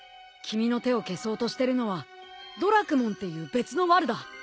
君の手を消そうとしてるのはドラクモンっていう別のワルだ。